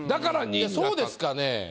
そうですかね？